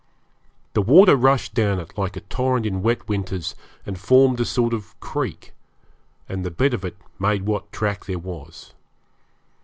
The water rushed down it like a torrent in wet winters, and formed a sort of creek, and the bed of it made what track there was.